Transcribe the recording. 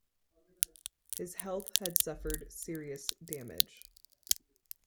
His health had suffered serious damage.